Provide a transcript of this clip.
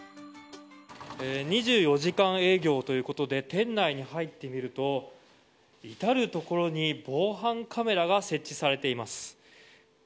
２４時間営業ということで店内に入ってみると至るところに防犯カメラが設置されています。